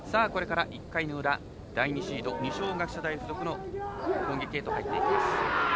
これから１回の裏第２シード二松学舎大付属の攻撃へと入っていきます。